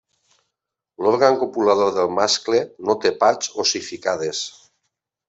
L'òrgan copulador del mascle no té parts ossificades.